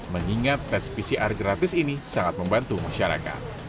mengingat tes pcr gratis ini sangat membantu masyarakat